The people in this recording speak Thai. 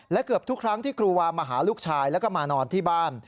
และเกือบทุกครั้งที่ครูวามาหาลูกชายแล้วก็มานอนที่บ้าน